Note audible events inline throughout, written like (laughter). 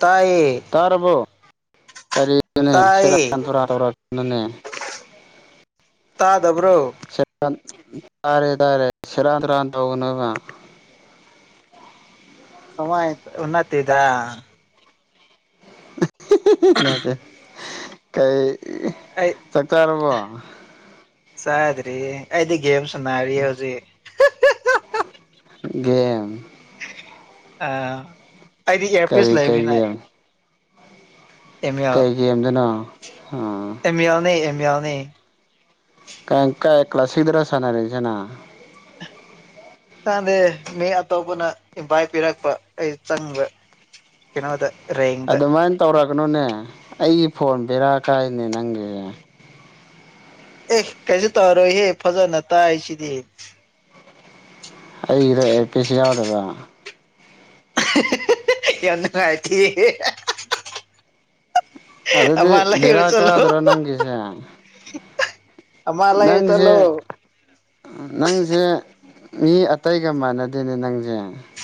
ꯇꯥꯏꯌꯦ ꯇꯥꯔꯕꯣ ꯀꯔꯤꯗꯨ (inaudible) ꯅꯦ ꯇꯥꯏꯌꯦ ꯁꯦꯔꯥꯟ ꯇꯨꯔꯥꯟ ꯇꯧꯔ (unintelligible) ꯅꯨꯅꯦ ꯇꯥꯗꯕ꯭ꯔꯣ (unintelligible) ꯇꯥꯔꯦ ꯇꯥꯔꯦ ꯁꯦꯔꯥꯟ ꯇꯨꯔꯥꯟ ꯇꯧꯒꯅꯨꯕ ꯊꯃ (unintelligible) ꯎ ꯅꯠꯇꯦꯗ ꯅꯠꯇꯦ ꯀꯩ ꯑꯩ ꯆꯥꯛ ꯆꯥꯔꯕꯣ ꯆꯥꯗ꯭ꯔꯤ ꯑꯩꯗꯤ ꯒꯦꯝ ꯁꯅꯔꯤꯌꯦ ꯍꯧꯖꯤꯛ ꯒꯦꯝ ꯑꯧ ꯑꯩꯗꯤ ꯏꯌꯥꯔꯄꯤꯁ ꯀꯔꯤ ꯀꯩ ꯂꯩꯕꯅꯤꯅ ꯒꯦꯝ ꯑꯦꯃꯤꯌꯥ ꯀꯩ ꯒꯦꯝꯗꯅꯣ ꯑꯥ ꯑꯦꯃꯤꯌꯥꯜꯅꯦ ꯑꯦꯃꯤꯌꯥꯜꯅꯦ ꯀꯥꯏ ꯀꯥꯏ ꯀ꯭ꯂꯥꯁꯤꯗꯔ ꯁꯅꯔꯤꯖꯤꯅ ꯆꯥꯟꯗꯦ (unintelligible) ꯃꯤ ꯑꯇꯣꯞꯄꯅ ꯏꯝꯚꯥꯏꯠ ꯄꯤꯔꯛꯄ ꯑꯩ ꯆꯪꯕ ꯀꯩꯅꯣꯗ ꯔꯦꯡꯗ ꯇꯧꯔꯛꯒꯅꯨꯅꯦ ꯑꯩꯒꯤ ꯐꯣꯟ ꯕꯦꯔꯥꯀꯥꯏꯅꯦ ꯅꯪꯒꯤ ꯑꯦ ꯀꯩꯁꯨ ꯇꯧꯔꯣꯏꯍꯦ ꯐꯖꯅ ꯇꯥꯏ ꯁꯤꯗꯤ ꯑꯩꯗꯣ ꯑꯦꯔꯄꯤꯁ ꯌꯥꯎꯗꯕ ꯌꯥꯝ ꯅꯨꯉꯥꯏꯇꯤꯌꯦ ꯑꯗꯨꯗꯤ ꯕꯦꯔꯥ ꯀꯥꯗꯔꯣ ꯅꯪꯒꯤꯁꯦ ꯑꯃ ꯂꯩꯔꯨ ꯅꯪꯁꯦ ꯆꯠꯂꯣ ꯅꯪꯖꯦ ꯃꯤ ꯑꯇꯩꯒ ꯃꯥꯟꯅꯗꯦꯅꯦ ꯅꯪꯖꯦ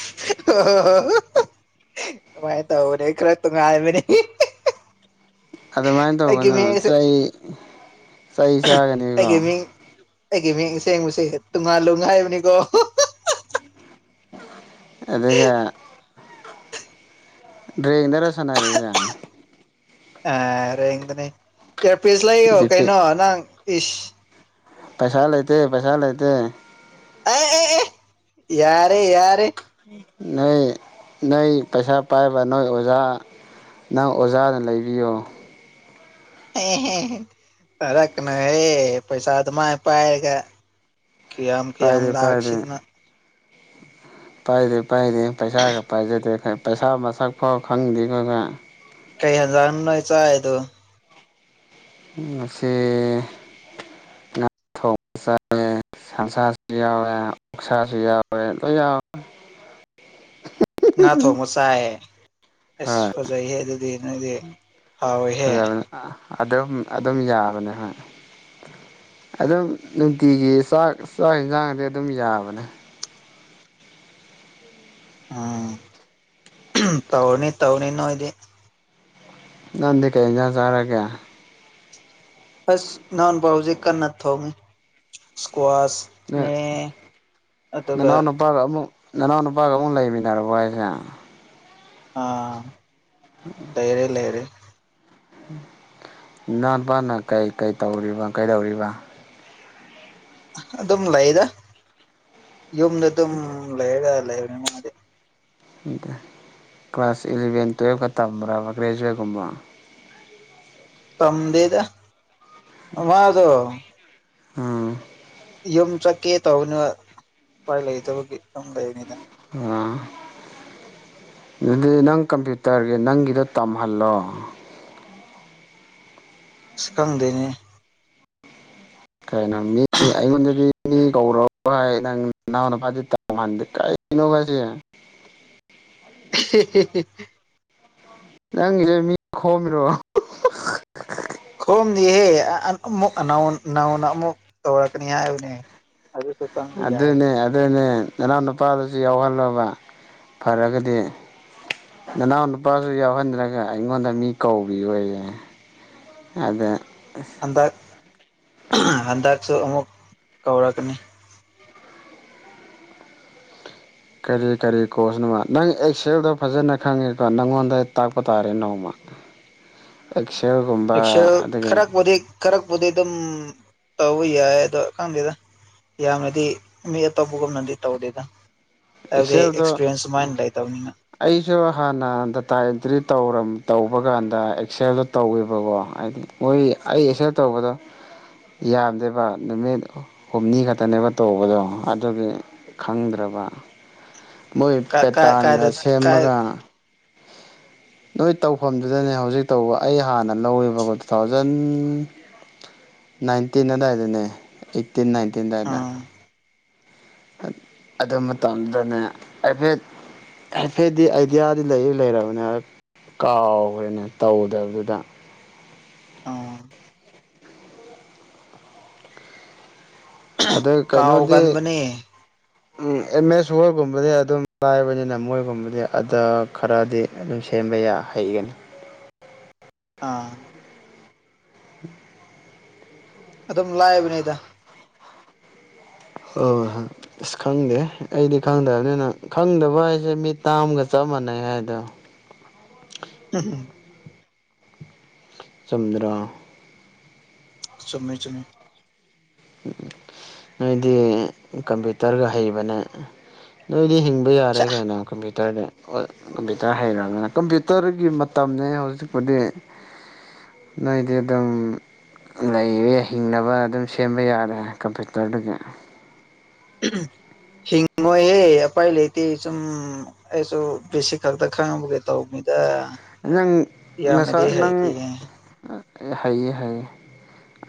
ꯑꯣ ꯍꯣ ꯍꯣ ꯍꯣ ꯑꯗꯨꯃꯥꯏꯅ ꯇꯧꯕꯅꯦ ꯈꯔ ꯇꯨꯉꯥꯏꯕꯅꯦ ꯑꯗꯨꯃꯥꯏꯅ ꯑꯩꯒꯤ ꯇꯧꯒꯅꯨ ꯃꯤꯡꯁꯦ ꯆꯩ ꯆꯩ ꯆꯥꯒꯅꯤꯀꯣ ꯑꯩꯒꯤ ꯃꯤꯡ ꯑꯩꯒꯤ ꯃꯤꯡ ꯁꯦꯡꯕꯁꯦ ꯇꯨꯉꯥꯜꯂꯨꯡ ꯍꯏꯕꯅꯤꯀꯣ ꯑꯗꯨꯒ ꯗ꯭ꯔꯦꯡꯗꯔ ꯁꯅꯔꯤꯖꯦ ꯑ ꯔꯦꯡꯗꯅꯦ ꯏꯌꯥꯔꯄꯤꯁ ꯂꯩꯌꯣ ꯗꯤꯐꯤꯠ ꯀꯩꯅꯣ ꯅꯪ ꯏ꯭ꯁ ꯄꯩꯁꯥ ꯂꯩꯇꯦ ꯄꯩꯁꯥ ꯂꯩꯇꯦ ꯑꯦ ꯑꯦ ꯑꯦ ꯌꯥꯔꯦ ꯌꯥꯔꯦ ꯅꯣꯏ ꯅꯣꯏ ꯄꯩꯁꯥ ꯄꯥꯏꯕ ꯅꯣꯏ ꯑꯣꯖꯥ ꯅꯪ ꯑꯣꯖꯥꯅ ꯂꯩꯕꯤꯌꯣ ꯐꯔ (unintelligible) ꯀꯅ (unintelligible) ꯍꯦ ꯄꯩꯁꯥ ꯑꯗꯨꯃꯥꯏ ꯄꯥꯏꯔꯒ ꯀꯤꯌꯥꯝ ꯀꯤꯌꯥꯝ ꯄꯥꯏꯗꯦ ꯄꯥꯏꯗꯦ ꯂꯥꯛꯁꯤꯗꯅ ꯄꯥꯏꯗꯦ ꯄꯥꯏꯗꯦ ꯄꯩꯁꯥꯒ ꯄꯥꯏꯖꯗꯦ ꯄꯩꯁꯥ ꯃꯁꯛ ꯐꯥꯎ ꯈꯪꯗꯦ ꯈꯣꯏ ꯈ (unintelligible) ꯀꯩ ꯍꯖꯥꯡꯅꯣꯏ ꯆꯥꯏꯗꯣ ꯉꯁꯤ (unintelligible) ꯁꯟꯁꯥꯁꯨ ꯌꯥꯎꯋꯦ ꯑꯣꯛꯁꯥꯁꯨ ꯌꯥꯎꯋꯦ ꯂꯣꯏ ꯌꯥꯎ (inaudible) ꯉꯥ ꯊꯣꯡꯕ ꯆꯥꯏꯌꯦ ꯏꯁ ꯍꯣꯏ ꯐꯖꯩꯍꯦ ꯑꯗꯨꯗꯤ ꯅꯣꯏꯗꯤ ꯍꯥꯎꯋꯤꯍꯦ ꯑꯥ ꯑꯗꯨꯝ ꯑꯗꯨꯝ ꯌꯥꯕꯅꯦ ꯍꯣꯏ ꯑꯗꯨꯝ ꯅꯨꯡꯇꯤꯒꯤ ꯆꯥꯛ ꯆꯥꯛ ꯏꯟꯁꯥꯡꯗꯤ ꯑꯗꯨꯝ ꯌꯥꯕꯅꯦ ꯎꯝ ꯑꯍꯝ ꯇꯧꯅꯤ ꯇꯧꯅꯤ ꯅꯣꯏꯗꯤ ꯅꯪꯗꯤ ꯀꯩ ꯏꯟꯖꯥꯡ ꯆꯥꯔꯒꯦ ꯑꯁ (unintelligible) ꯄꯥꯎꯁꯦ ꯍꯧꯖꯤꯛ ꯀꯟꯅ ꯊꯣꯡꯉꯤ ꯁꯀ꯭ꯋꯥꯁ ꯅꯣꯏ ꯅꯅꯥꯎ ꯅꯨꯄꯥꯒ ꯑꯃꯨꯛ ꯅꯅꯥꯎ ꯅꯨꯄꯥꯒ ꯑꯃꯨꯛ ꯂꯩꯃꯤꯟꯅꯔꯕꯣ ꯍꯥꯏꯁꯦ ꯑꯥ ꯂꯩꯔꯦ ꯂꯩꯥꯔꯦ ꯏꯅꯥꯎ ꯅꯨꯄꯥꯅ ꯀꯩ ꯀꯩ ꯇꯧꯔꯤꯕ ꯀꯩꯗꯧꯔꯤꯕ ꯑꯗꯨꯝ ꯂꯩꯗ ꯌꯨꯝꯗ ꯑꯗꯨꯝ ꯂꯩꯔꯒ ꯂꯩꯕꯅꯤ ꯃꯥꯗꯤ ꯀ꯭ꯂꯥꯁ ꯏꯂꯚꯦꯟ ꯇꯨ꯭ꯌꯦꯞꯀ ꯇꯝꯕ꯭ꯔꯥꯕ ꯒ꯭ꯔꯦꯖꯨꯌꯦꯠꯀꯨꯝꯕ ꯇꯝꯗꯦꯗ ꯑꯃꯥꯗꯣ ꯍꯝ ꯌꯨꯝ ꯆꯠꯀꯦ ꯇꯧꯕꯅꯦꯕ ꯎꯄꯥꯏ ꯂꯩꯇꯕꯒꯤ ꯑꯗꯨꯝ ꯂꯩꯕꯅꯤꯗ ꯎꯝ ꯑꯗꯨꯗꯤ ꯅꯪ ꯀꯝꯄ꯭ꯌꯨꯇꯔꯒꯤ ꯅꯪꯒꯤꯗꯣ ꯇꯝꯍꯜꯂꯣ ꯑꯁ ꯈꯪꯗꯦꯅꯦ ꯀꯩꯅꯣ ꯃꯤ ꯑꯩꯉꯣꯟꯗꯗꯤ ꯃꯤ ꯀꯧꯔꯕ ꯍꯥꯏ ꯅꯪ ꯅꯅꯥꯎꯅꯨꯄꯥꯗꯤ ꯇꯧꯍꯟꯗꯦ ꯀꯩꯅꯣ ꯍꯥꯏꯁꯦ (unintelligible) ꯅꯪꯒꯤꯁꯦ ꯃꯤ ꯈꯣꯝꯃꯤꯔꯣ ꯈꯣꯝꯗꯤꯍꯦ ꯑꯥ ꯑꯃꯨꯛ ꯅꯧꯅ ꯑꯃꯨꯛ ꯇꯧꯔꯛꯀꯅꯤ ꯍꯥꯏꯕꯅꯦ ꯑꯗꯨ ꯈꯛꯇꯪ ꯑꯗꯨꯅꯦ ꯑꯗꯨꯅꯦ ꯅꯅꯥꯎ ꯅꯨꯄꯥꯗꯨꯁꯨ ꯌꯥꯎꯍꯜꯂꯣꯕ ꯐꯔꯒꯗꯤ ꯅꯅꯥꯎ ꯅꯨꯄꯥꯁꯨ ꯌꯥꯎꯍꯟꯗꯔꯒ ꯑꯩꯉꯣꯟꯗ ꯃꯤ ꯀꯧꯕꯤ ꯌꯣꯌꯦ ꯑꯗꯥ ꯍꯟꯗꯛ ꯑꯍꯝ ꯍꯟꯗꯛꯁꯨ ꯑꯃꯨꯛ ꯀꯧꯔꯛꯀꯅꯤ ꯀꯔꯤ ꯀꯔꯤ ꯀ‍꯭ꯔꯣꯁꯅꯣꯕ ꯅꯪ ꯑꯦꯛꯁꯦꯜꯗꯣ ꯐꯖꯅ ꯈꯪꯉꯦꯀꯣ ꯅꯪꯉꯣꯟꯗ ꯇꯥꯛꯄ ꯇꯥꯔꯦ ꯅꯣꯡꯃ (inaudible) ꯑꯦꯛꯁꯦꯜ ꯒꯨꯝ ꯑꯦꯛꯁꯦꯜ ꯈꯔꯄꯨꯗꯤ ꯈꯔꯄꯨꯗꯤ ꯑꯗꯨꯝ ꯇꯧꯕ ꯌꯥꯏ ꯑꯗꯨ ꯈꯪꯗꯦꯗ ꯌꯥꯝꯅꯗꯤ ꯃꯤ ꯑꯇꯣꯞꯄꯒꯨꯝꯅꯗꯤ ꯇꯧꯗꯦꯗ ꯍꯥꯏꯕꯗꯤ ꯑꯦꯛꯁꯦꯜꯗꯣ ꯑꯦꯛꯁꯄꯤꯔꯤꯌꯦꯟꯁ ꯁꯨꯃꯥꯏꯅ ꯂꯩꯇꯕꯅꯤꯅ ꯑꯩꯁꯨ ꯍꯥꯟꯅ ꯗꯇꯥ ꯑꯦꯟꯇ꯭ꯔꯤ ꯇꯧꯔꯝ ꯇꯧꯕ ꯀꯥꯟꯗ ꯑꯦꯛꯁꯦꯜꯗꯣ ꯇꯧꯋꯦꯕꯀꯣ ꯍꯥꯏꯗꯤ ꯃꯣꯏ ꯑꯩ ꯑꯦꯛꯁꯦꯜ ꯇꯧꯕꯗꯣ ꯌꯥꯝꯗꯦꯕ ꯅꯨꯃꯤꯠ ꯍꯨꯝꯅꯤ ꯈꯛꯇꯅꯦꯕ ꯇꯧꯕꯗꯣ ꯑꯗꯨꯒꯤ ꯈꯪꯗ꯭ꯔꯕ ꯃꯣꯏ ꯀꯥ ꯀꯥꯏ ꯄꯦꯇꯥꯟꯒ ꯀꯥꯏꯗ ꯀꯥꯏ ꯁꯦꯝꯃꯒ ꯅꯣꯏ ꯇꯧꯐꯝꯗꯨꯗꯅꯦ ꯍꯧꯖꯤꯛ ꯇꯧꯕ ꯑꯩ ꯍꯥꯟꯅ ꯂꯧꯋꯦꯕꯀꯣ ꯇꯨ ꯊꯥꯎꯖꯟ ꯅꯥꯏꯟꯇꯤꯟ ꯑꯗꯥꯏꯗꯅꯦ ꯑꯩꯠꯇꯤꯟ ꯅꯥꯏꯟꯇꯤꯟ ꯑꯗꯥꯏꯗ ꯑꯥ ꯑꯠ ꯑꯗꯨ ꯃꯇꯝꯗꯨꯗꯅꯦ ꯍꯥꯏꯐꯦꯠ ꯍꯥꯏꯐꯦꯠꯗꯤ ꯑꯥꯏꯗꯤꯌꯥꯗꯤ ꯂꯩꯗꯤ ꯂꯩꯔꯕꯅꯦ ꯀꯥꯎꯈ꯭ꯔꯦꯅꯦ ꯇꯧꯗꯕꯗꯨꯗ ꯑꯥ ꯑꯗ ꯀꯩꯅꯣꯗꯤ ꯀꯥꯎꯒꯟꯕꯅꯦ ꯑꯦꯝ ꯑꯦꯁ ꯍꯣꯏꯒꯨꯝꯕꯗꯤ ꯑꯗꯨꯝ ꯂꯥꯏꯕꯅꯤꯅ ꯃꯣꯏꯒꯨꯝꯕꯗꯤ ꯑꯗ ꯈꯔꯗꯤ ꯑꯗꯨꯝ ꯁꯦꯝꯕ ꯌꯥ ꯍꯩꯒꯅꯤ ꯑꯥ (inaudible) ꯑꯗꯨꯝ ꯂꯥꯏꯕ ꯅꯤꯗ ꯍꯍꯥ ꯑꯁ ꯈꯪꯗꯦꯍꯦ ꯑꯩꯗꯤ ꯈꯪꯗꯕꯅꯤꯅ ꯈꯪꯗꯕ ꯍꯥꯏꯁꯦ ꯃꯤꯠ ꯇꯥꯡꯕꯒ ꯆꯞ ꯃꯥꯟꯅꯩ ꯍꯥꯏꯗꯣ ꯎꯝ ꯆꯨꯝꯗꯔꯣ ꯆꯨꯝꯃꯦ ꯆꯨꯝꯃꯦ ꯎꯝ ꯅꯣꯏꯗꯤ ꯀꯝꯄ꯭ꯌꯨꯇꯔꯒ ꯍꯩꯕꯅꯦ ꯅꯣꯏꯗꯤ ꯍꯤꯡꯕ ꯌꯥꯔꯦ ꯀꯩꯅꯣ ꯀꯝꯄ꯭ꯌꯨꯇꯔꯗꯩ ꯍꯣꯏ ꯀꯝꯄ꯭ꯌꯨꯇꯔ ꯍꯩꯔꯒ ꯀꯝꯄ꯭ꯌꯨꯇꯔꯒꯤ ꯃꯇꯝꯅꯦ ꯍꯧꯖꯤꯛꯄꯨꯗꯤ ꯅꯣꯏꯗꯤ ꯑꯗꯨꯝ ꯂꯩꯔꯦ ꯍꯤꯡꯅꯕ ꯑꯗꯨꯝ ꯍꯤꯡꯕ ꯌꯥꯔꯦ ꯀꯝꯄ꯭ꯌꯨꯇꯔꯗꯒꯤ ꯍꯤꯡꯉꯣꯏꯍꯦ ꯑꯄꯥꯏ ꯂꯩꯇꯦ ꯁꯨꯝ ꯑꯩꯁꯨ ꯄꯦꯁꯤꯀꯜꯗ ꯈꯪꯕꯒꯤ ꯇꯧꯕ ꯅꯤꯗ ꯅꯪ ꯅꯁ ꯅꯪ ꯍꯩꯌꯦ ꯍꯩꯌꯦ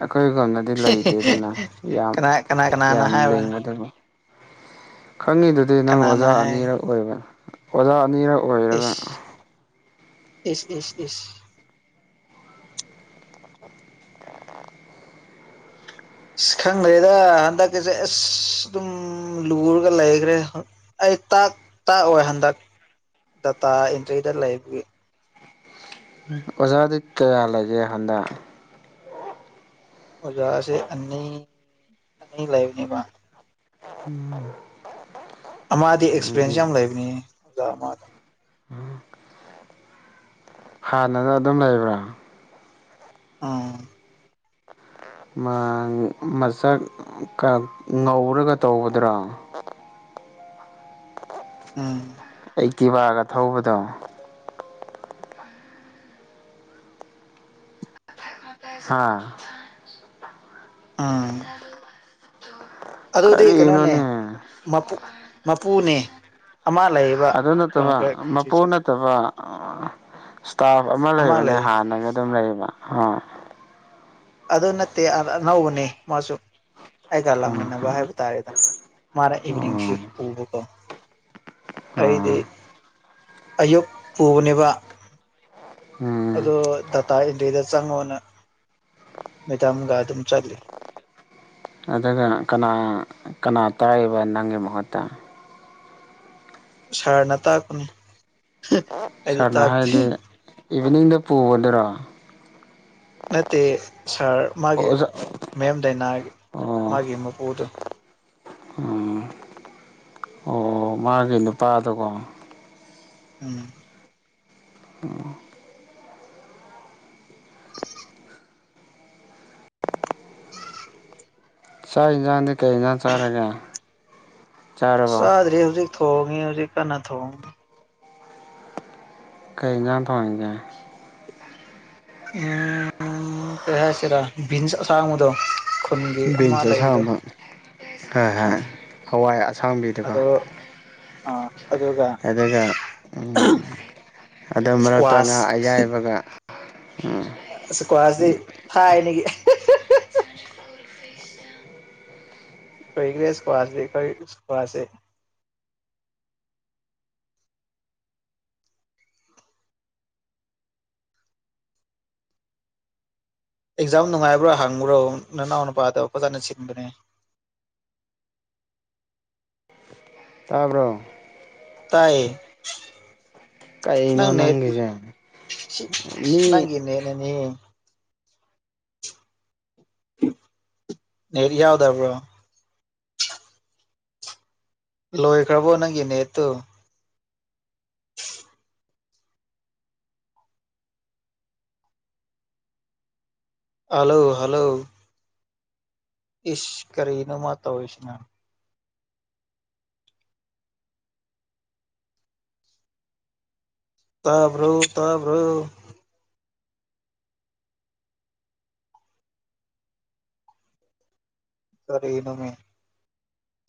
ꯑꯩꯈꯣꯏꯒꯣꯟꯗ ꯂꯩꯇꯦꯗꯅ ꯌꯥꯝ ꯀꯅꯥ ꯀꯅꯥ ꯀꯅꯥꯅ ꯌꯥꯝ ꯍꯥꯏꯕ ꯂꯦꯡꯒꯗꯕ ꯈꯪꯉꯤꯗꯨꯗꯤ ꯅꯪ ꯀꯅꯥꯅ ꯑꯣꯖꯥ ꯍꯥꯏ ꯑꯅꯤꯔꯛ ꯑꯣꯏꯕ ꯑꯣꯖꯥ ꯑꯅꯤꯔꯛ ꯑꯣꯏꯔꯒ ꯏꯁ ꯏꯁ ꯏꯁ ꯏꯁ ꯑꯁ ꯈꯪꯗ꯭ꯔꯦꯗ ꯍꯟꯗꯛꯀꯤꯁꯦ ꯑꯁ ꯑꯗꯨꯝ ꯂꯨꯔꯒ ꯂꯩꯈ꯭ꯔꯦ ꯑꯩ ꯇꯥꯛ ꯇꯥꯛꯑꯣꯏ ꯍꯟꯗꯛ ꯗꯇꯥ ꯑꯦꯟꯇ꯭ꯔꯤꯗ ꯂꯩꯕꯒꯤ ꯑꯣꯖꯥꯗꯤ ꯀꯌꯥ ꯂꯩꯒꯦ ꯍꯟꯗꯛ ꯑꯣꯖꯥꯁꯦ ꯑꯅꯤ ꯑꯅꯤ ꯂꯩꯕꯅꯤꯕ (unintelligible) ꯑꯃꯥꯗꯤ ꯑꯦꯛꯁꯄꯤꯔꯦꯟꯁ ꯑꯗꯨꯗꯤ ꯌꯥꯝ ꯂꯩꯕꯅꯤ ꯑꯣꯖꯥ ꯑꯃꯗꯣ ꯍꯥꯟꯅꯅ ꯑꯗꯨꯝ ꯂꯩꯕ꯭ꯔꯥ ꯑꯝ ꯃꯁꯛ ꯉꯧꯔꯒ ꯇꯧꯕꯗꯨꯔꯣ ꯎꯝ ꯑꯩꯛꯇꯤꯕꯥꯒ ꯊꯧꯕꯗꯣ ꯍꯥꯥ ꯑꯝ ꯑꯗꯨꯗꯤ ꯀꯩꯅꯣꯅꯦ ꯀꯔꯤꯅꯣꯅꯦ ꯃꯄꯨꯅꯦ ꯑꯃ ꯂꯩ ꯑꯗꯨ ꯅꯠꯇꯕ ꯃꯄꯣꯅ ꯅꯠꯇꯕ ꯏꯁꯇꯥꯞ ꯑꯃ ꯂꯩꯕꯅꯦ ꯍꯥꯟꯅꯒ ꯑꯗꯨꯝ ꯂꯩꯕ ꯑꯥ ꯑꯗꯨ ꯅꯠꯇꯦ ꯑꯅꯧꯕꯅꯦ ꯃꯥꯁꯨ ꯑꯩꯒ ꯂꯥꯛꯃꯤꯟꯅꯕ ꯍꯥꯏꯕ ꯇꯥꯔꯦꯗ ꯃꯥꯅ ꯏꯚꯤꯅꯤꯡ ꯑꯣ ꯁꯤꯐ ꯄꯨꯕꯀꯣ ꯑꯩꯗꯤ ꯑꯣ ꯑꯌꯨꯛ ꯄꯨꯕꯅꯦꯕ ꯎꯝ ꯑꯗꯣ ꯗꯇꯥ ꯏꯟꯇ꯭ꯔꯤꯗ ꯆꯪꯉꯣ ꯅꯪ ꯃꯦꯗꯥꯝꯒ ꯑꯗꯨꯝ ꯆꯠꯂꯤ ꯑꯗꯨꯒ ꯀꯅꯥ ꯀꯅꯥ ꯇꯥꯛꯏꯕ ꯅꯪꯒꯤ ꯃꯍꯨꯠꯇ ꯁꯥꯔꯅ ꯇꯥꯛꯄꯅꯦ ꯁꯥꯔꯅ ꯍꯥꯏꯗꯤ ꯏꯚꯤꯅꯤꯡꯗ ꯄꯨꯕꯗꯨꯔꯣ ꯅꯠꯇꯦ ꯁꯥꯔ ꯑꯣ ꯃꯥꯒꯤ ꯑꯣꯖꯥ ꯃꯦꯝ ꯗꯥꯏꯅꯥꯒꯤ ꯑꯣ ꯃꯥꯒꯤ ꯃꯄꯨꯗꯣ ꯎꯝ ꯑꯣ ꯃꯥꯒꯤ ꯅꯨꯄꯥꯗꯨꯀꯣ ꯎꯝ ꯎꯝ ꯆꯥꯛ ꯏꯟꯖꯥꯡꯗꯤ ꯀꯩ ꯏꯟꯖꯥꯡ ꯆꯥꯔꯒꯦ ꯆꯥꯔꯕꯣ ꯆꯥꯗ꯭ꯔꯤ ꯍꯧꯖꯤꯛ ꯊꯣꯡꯉꯤ ꯍꯧꯖꯤꯛ ꯀꯟꯅ ꯊꯣꯡꯉꯤ ꯀꯩ ꯏꯟꯖꯥꯡ ꯊꯣꯡꯉꯤꯒꯦ ꯎꯝ ꯀꯩ ꯍꯥꯏꯁꯤꯔꯥ ꯕꯤꯟꯁ ꯑꯁꯥꯡꯕꯗꯣ ꯈꯨꯟꯒꯤ ꯑꯃ ꯕꯤꯟꯁ ꯂꯩꯕꯗꯣ ꯑꯁꯥꯡꯕ ꯍꯣꯏ ꯍꯣꯏ ꯑꯥ ꯍꯋꯥꯏ ꯑꯁꯥꯡꯕꯤꯗꯨꯀꯣ ꯑꯗꯣ ꯑꯥ ꯑꯗꯨꯒ ꯑꯗꯨꯒ ꯑꯗꯨ ꯃꯔꯛꯇ ꯉꯥꯥ ꯏꯁꯀ꯭ꯋꯥꯁ ꯑꯌꯥꯏꯕꯒ ꯎꯝ ꯑꯁ ꯀ꯭ꯋꯥꯖꯦ ꯊꯥꯏꯅꯒꯤ ꯇꯣꯏꯒꯔꯦ ꯁꯀ꯭ꯋꯥꯖꯦ ꯑꯩꯈꯣꯏ ꯁꯀ꯭ꯋꯥꯁꯦ ꯑꯦꯛꯖꯥꯝ ꯅꯨꯡꯉꯥꯏꯕ꯭ꯔꯥ ꯍꯪꯕ꯭ꯔꯣ ꯅꯅꯥꯎ ꯅꯨꯄꯥꯗꯣ ꯐꯖꯅ ꯁꯤꯟꯕꯅꯦ ꯇꯥꯕ꯭ꯔꯣ ꯇꯥꯏꯌꯦ ꯀꯩꯅꯣ ꯅꯪ ꯅꯦꯠ ꯅꯪꯒꯤꯁꯦ ꯁꯤ ꯃꯤ ꯅꯪꯒꯤ ꯅꯦꯠꯅꯅꯦ ꯑꯩꯗꯤ ꯌꯥꯎꯗꯕ꯭ꯔꯣ ꯂꯣꯏꯈ꯭ꯔꯕꯣ ꯅꯪꯒꯤ ꯅꯦꯠꯇꯨ ꯍꯜꯂꯣ ꯍꯜꯂꯣ ꯏꯁ ꯀꯔꯤꯅꯣ ꯃꯥ ꯇꯧꯔꯤꯁꯤꯅ ꯇꯥꯕ꯭ꯔꯣ ꯇꯥꯕ꯭ꯔꯣ ꯀꯔꯤꯅꯣꯃꯤ